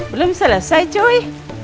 belum selesai cuy